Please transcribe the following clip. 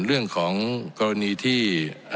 เรื่องของกรณีที่